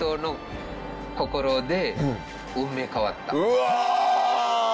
うわ！